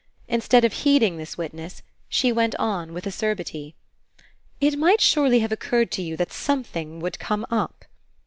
Instead of heeding this witness she went on with acerbity: "It might surely have occurred to you that something would come up."